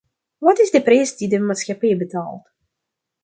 Wat is de prijs die de maatschappij betaalt?